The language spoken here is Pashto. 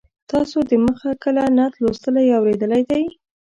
تاسو د مخه کله نعت لوستلی یا اورېدلی دی.